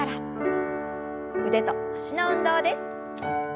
腕と脚の運動です。